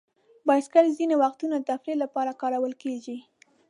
بایسکل ځینې وختونه د تفریح لپاره کارول کېږي.